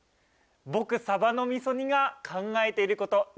僕さばの味噌煮が考えていること。